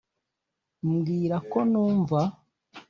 mbwira ko numva,